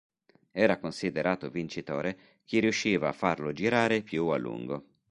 Era considerato vincitore chi riusciva a farlo girare più a lungo.